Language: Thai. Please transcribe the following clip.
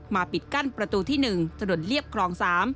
ปิดกั้นประตูที่๑ถนนเรียบคลอง๓